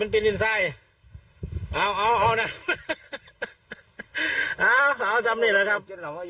เอานะเอาเอาสำเร็จแล้วครับ